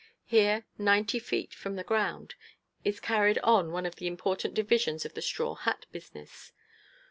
Here, ninety feet from the ground, is carried on one of the important divisions of the straw hat business.